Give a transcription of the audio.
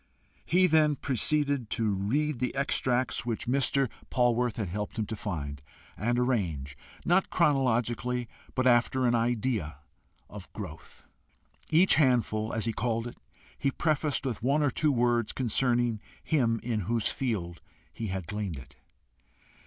He then proceeded to read the extracts which Mr. Polwarth had helped him to find and arrange, not chronologically, but after an idea of growth. Each handful, as he called it, he prefaced with one or two words concerning him in whose field he had gleaned it.